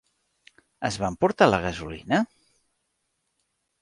Es va emportar la gasolina?